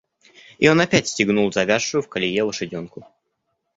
И он опять стегнул завязшую в колее лошаденку.